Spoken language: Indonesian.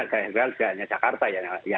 saya ingin mengatakan tidak hanya jakarta ya